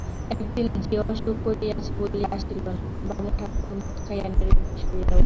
একদিন ঝি অসুখ করিয়াছে বলিয়া আসিল না, বামুনঠাকুর মদ খাইয়া নিরুদ্দেশ হইয়া রহিল।